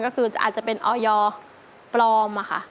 ก็คืออาจจะเป็นออยปลอมค่ะ